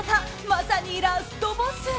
まさにラストボス。